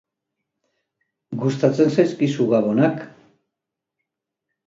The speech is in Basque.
Gustatzen zaizkizu Gabonak?